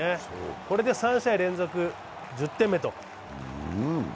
これで３試合連続１０点目と。